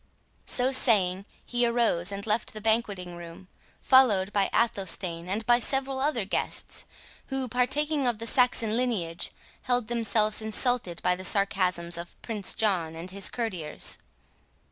So saying, he arose and left the banqueting room, followed by Athelstane, and by several other guests, who, partaking of the Saxon lineage, held themselves insulted by the sarcasms of Prince John and his courtiers.